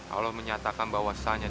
allah menyatakan bahwasannya